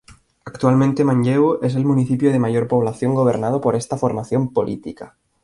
Actualmente Manlleu es el municipio de mayor población gobernado por esta formación política.